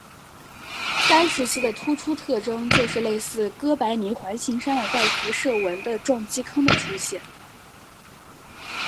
该时期的突出特征就是类似哥白尼环形山的带辐射纹的撞击坑的出现。